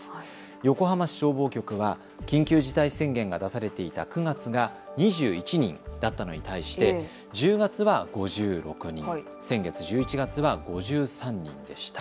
横浜市消防局は緊急事態宣言が出されていた９月が２１人だったのに対して１０月は５６人、先月１１月は５３人でした。